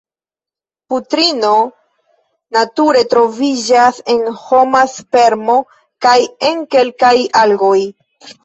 Putrino nature troviĝas en homa spermo kaj en kelkaj algoj.